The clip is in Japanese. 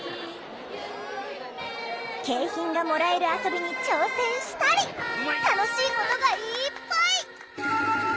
景品がもらえる遊びに挑戦したり楽しいことがいっぱい！